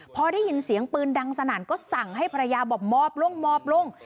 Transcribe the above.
พอได้ยินเสียงปืนดังสนั่นก็สั่งให้ภรรยาบอกมอบลงมอบลง